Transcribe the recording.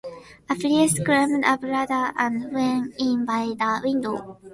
A priest climbed up a ladder and went in by the window.